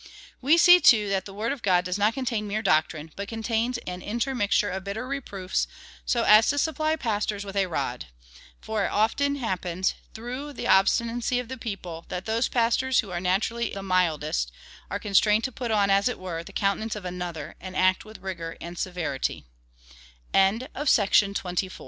We see, too, that the Word of God does not contain mere doctrine, but contains an inter mixture of bitter reproofs, so as to sujiply pastors with a rod. For it often happens, through the obstinacy of the people, that those pastors who are naturally the mildest^ are con strained to put on, as it were, the countenance of another, and ac